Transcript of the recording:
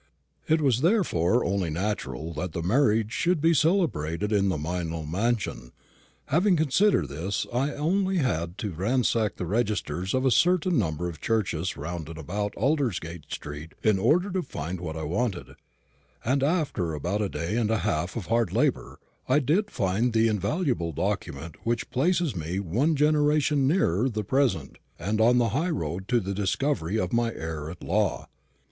It was therefore only natural that the marriage should be celebrated in the Meynell mansion. Having considered this, I had only to ransack the registers of a certain number of churches round and about Aldersgate street in order to find what I wanted; and after about a day and a half of hard labour, I did find the invaluable document which places me one generation nearer the present, and on the high road to the discovery of my heir at law.